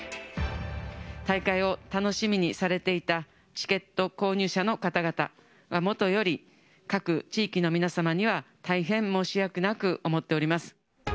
大会を楽しみにされていたチケット購入者の方々、もとより、各地域の皆様には大変申し訳なく思っております。